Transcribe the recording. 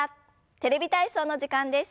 「テレビ体操」の時間です。